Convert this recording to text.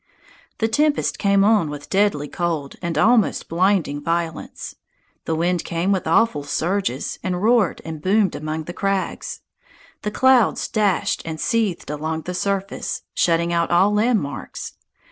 The tempest came on with deadly cold and almost blinding violence. The wind came with awful surges, and roared and boomed among the crags. The clouds dashed and seethed along the surface, shutting out all landmarks.